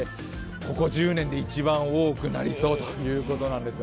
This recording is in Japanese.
ここ１０年で一番多くなりそうということなんですよ。